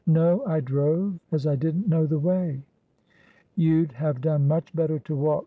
"No, I drove, as I didn't know the way." "You'd have done much better to walk.